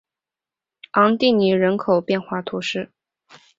昂蒂尼人口变化图示